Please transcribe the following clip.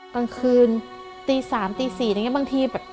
กลางคืนตี๓ตี๔บางทีแบบ